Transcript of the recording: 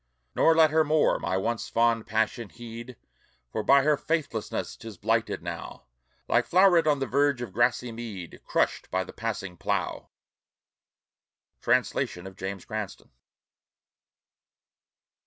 Nor let her more my once fond passion heed, For by her faithlessness 'tis blighted now, Like flow'ret on the verge of grassy mead Crushed by the passing plow. Translation of James Cranstoun.